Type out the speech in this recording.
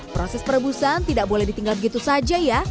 proses perebusan tidak boleh ditinggal begitu saja ya